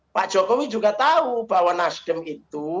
pak jokowi juga tahu bahwa nasdem itu